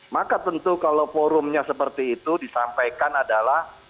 maka tentu kalau forumnya seperti itu disampaikan adalah